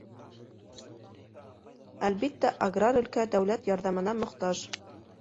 Әлбиттә, аграр өлкә дәүләт ярҙамына мохтаж.